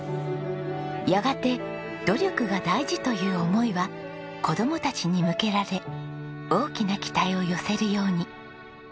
やがて努力が大事という思いは子供たちに向けられ大きな期待を寄せるように。